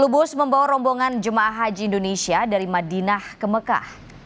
sepuluh bus membawa rombongan jemaah haji indonesia dari madinah ke mekah